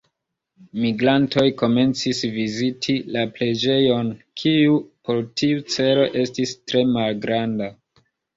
Migrantoj komencis viziti la preĝejon, kiu por tiu celo estis tre malgranda.